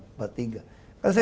ini bersyukur lolos putaran pertama